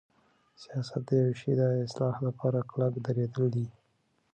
سیاست د یوشی د اصلاح لپاره کلک دریدل دی.